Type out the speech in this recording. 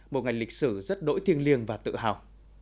một ngày lịch sử rất đỗi thiêng liêng và tự hào